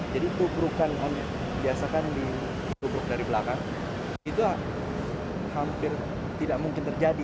jadi keburu kan biasakan dikeburu dari belakang itu hampir tidak mungkin terjadi